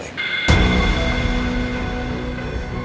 kenapa anda menanyakan itu